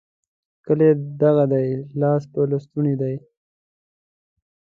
کلی دغه دی؛ لاس په لستوڼي دی.